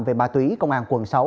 về ma túy công an quần sáu